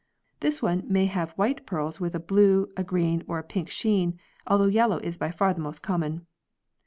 Thus one may have white pearls with a blue, a green, or a pink sheen, although yellow is by far the most common.